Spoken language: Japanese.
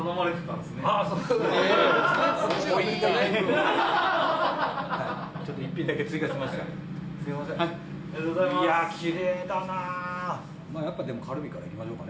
でも、やっぱりカルビからいきましょうかね。